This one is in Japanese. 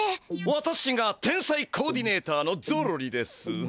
わたしが天才コーディネーターのゾロリです。